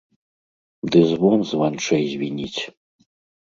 Ды звон званчэй звініць.